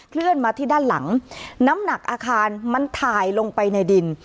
เลื่อนมาที่ด้านหลังน้ำหนักอาคารมันถ่ายลงไปในดิน